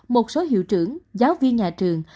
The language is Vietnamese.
một số hiệu trưởng giáo viên nhà trường